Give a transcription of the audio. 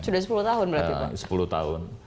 sudah sepuluh tahun berarti pak